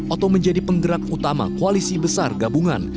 atau menjadi penggerak utama koalisi besar gabungan